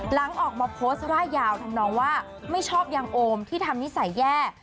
หลังออกมาโพสต์ร่ายยาวทำนองว่าไม่ชอบยางโอมที่ทำนิสัยแย่